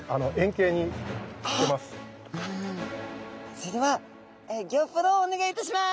それではギョープロをお願いいたします。